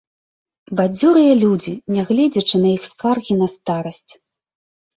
Бадзёрыя людзі, нягледзячы на іх скаргі на старасць.